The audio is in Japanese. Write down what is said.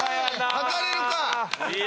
測れるか！